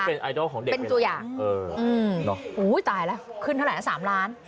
เป็นไอดอลของเด็กเป็นตัวอย่างอุ้ยตายแล้วขึ้นเท่าไหร่ละ๓ล้าน